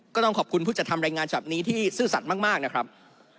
ก็ต้องขอบคุณผู้จัดทำรายงานฉบับนี้ที่ซื่อสัตว์มากนะครับ